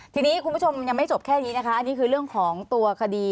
ทีนี้คุณผู้ชมยังไม่จบแค่นี้นะคะอันนี้คือเรื่องของตัวคดี